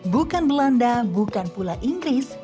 bukan belanda bukan pula inggris